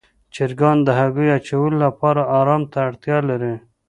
چرګان د هګیو اچولو لپاره آرام ته اړتیا لري.